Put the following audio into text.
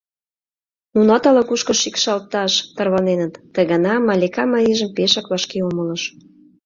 —...нунат ала-кушко шикшалташ тарваненыт, — ты гана Малика марийжым пешак вашке умылыш.